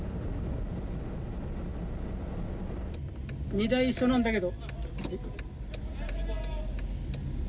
２台一緒なんだけど。